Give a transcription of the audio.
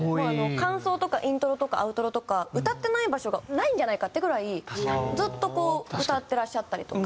間奏とかイントロとかアウトロとか歌ってない場所がないんじゃないかってぐらいずっと歌ってらっしゃったりとか。